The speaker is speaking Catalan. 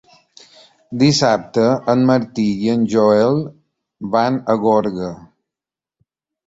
Dissabte en Martí i en Joel van a Gorga.